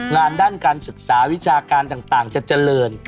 งานด้านการศึกษาวิชาการต่างจะเจริญ